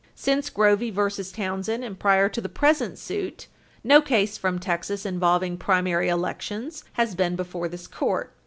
Since Grovey v. Townsend and prior to the present suit, no case from Texas involving primary elections has been before this Court.